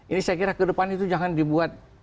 ini saya kira ke depan itu jangan dibuat